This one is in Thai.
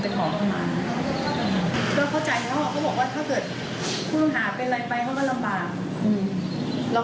เขาบอกว่าถ้าเกิดผู้ต้องหาเป็นอะไรไปเขาก็ลำบาก